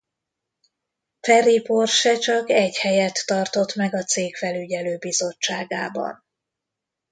Ferry Porsche csak egy helyet tartott meg a cég felügyelő bizottságában.